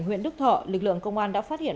huyện đức thọ lực lượng công an đã phát hiện